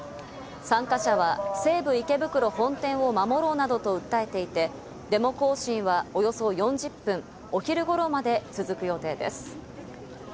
参加者は、西武池袋本店を守ろうなどと訴えていて、デモ行進はおよそ４０分、お昼ごろまで続く予定です。